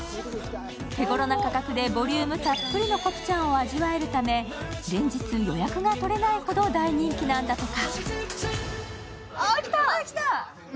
手ごろな価格でボリュームたっぷりのコプチャンを味わえるため連日予約が取れないほど大人気なんだとか。